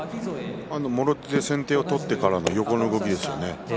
もろ手で先手を取ってからの横の動きですよね。